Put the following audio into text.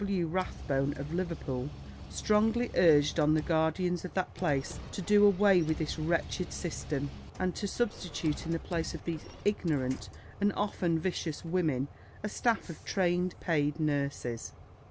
W. Rathbone, of Liverpool, strongly urged on the guardians of that place to do away with this wretched system, and to substitute in the place of these ignorant, and often vicious, women a staff of trained paid nurses.